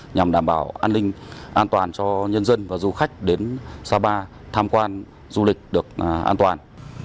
nhằm đảm bảo an ninh an toàn cho nhân dân và du khách đến sapa tham quan du lịch được an toàn